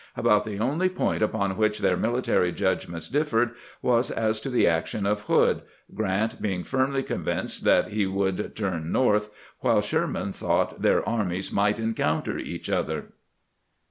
About the only point upon which their military judgments dif fered was as to the action of Hood, Grant being firmly convinced that he would turn north, while Sherman thought their armies might encounter each other.